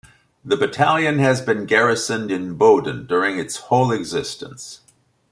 The battalion has been garrisoned in Boden during its whole existence.